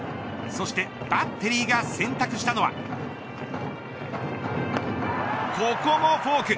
そしてバッテリーが選択したのはここもフォーク。